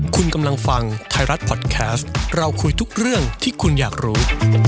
คุณกำลังฟังไทยรัฐพอดแคสต์เราคุยทุกเรื่องที่คุณอยากรู้